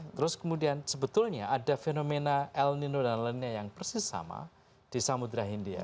terus kemudian sebetulnya ada fenomena el nino dan lainnya yang persis sama di samudera india